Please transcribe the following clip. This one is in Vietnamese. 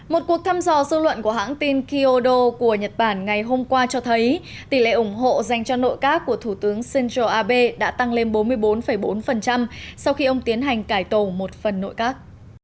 một cuộc thăm dò dư luận của hãng tin kyodo của nhật bản ngày hôm qua cho thấy tỷ lệ ủng hộ dành cho nội các của thủ tướng central abe đã tăng lên bốn mươi bốn bốn sau khi ông tiến hành cải tổ một phần nội các